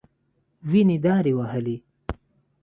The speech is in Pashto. وينې دارې وهلې.